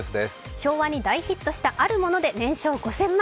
昭和に大ヒットしたあるもので年商５０００万。